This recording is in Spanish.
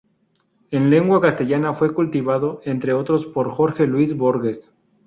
En lengua castellana, fue cultivado entre otros por Jorge Luis Borges.